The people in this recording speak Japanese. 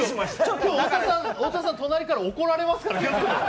今日、太田さん、隣から怒られますからね。